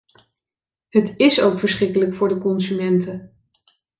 Het is ook verschrikkelijk voor de consumenten.